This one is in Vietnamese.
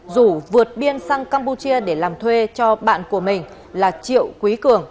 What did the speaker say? rủ vượt biên sang campuchia để làm thuê cho bạn của mình là triệu quý cường